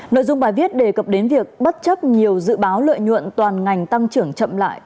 nội dung bài viết đề cập đến việc bất chấp nhiều dự báo lợi nhuận toàn ngành tăng trưởng chậm lại